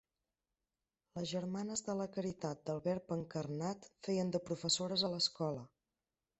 Les Germanes de la caritat del verb encarnat feien de professores a l'escola.